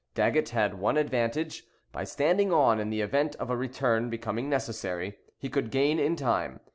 Daggett had one advantage: by standing on, in the event of a return becoming necessary, he could gain in time.